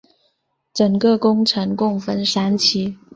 整个工程共分三期。